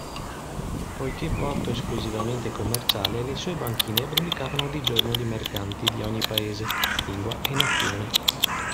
Poiché porto esclusivamente commerciale, le sue banchine brulicavano di giorno di mercanti di ogni paese, lingua e nazione.